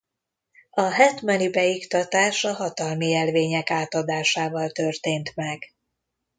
A hetmani beiktatás a hatalmi jelvények átadásával történt meg.